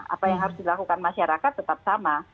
apa yang harus dilakukan masyarakat tetap sama